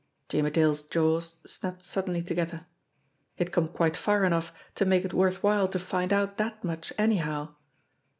Jimmie Dale's jaws snapped suddenly* together. He had come quite far enough to make it worth while to find out that much anyhow